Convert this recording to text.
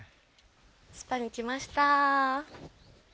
スパに来ました。